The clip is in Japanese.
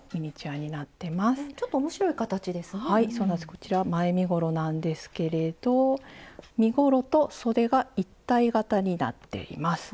こちら前身ごろなんですけれど身ごろとそでが一体型になっています。